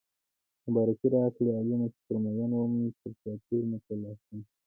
مبارکي راکړئ عالمه چې پرې مين وم ترې چاپېر مې کړل لاسونه